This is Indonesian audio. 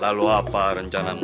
lalu apa rencanamu